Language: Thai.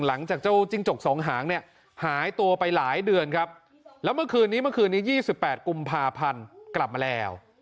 หลังจากเจ้าจิ้งจกสองหางเนี่ยหายตัวไปหลายเดือนครับแล้วเมื่อคืนนี้เมื่อคืนนี้๒๘กุมภาพันธ์กลับมาแล้ว